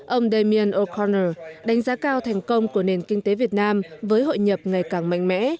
ông damien o connor đánh giá cao thành công của nền kinh tế việt nam với hội nhập ngày càng mạnh mẽ